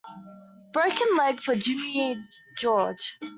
Broken leg for Jimmy George.